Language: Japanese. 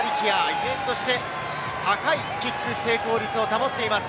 依然として高いキック成功率を保っています。